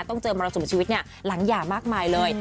ต้องเจอมรสุมชีวิตหลังหย่ามากมายเลย